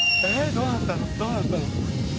どうなったの？」